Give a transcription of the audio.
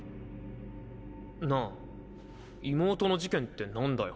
⁉なぁ妹の事件って何だよ。